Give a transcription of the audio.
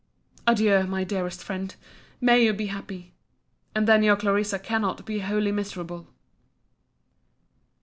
—— Adieu, my dearest friend!—May you be happy!—And then your Clarissa cannot be wholly miserable!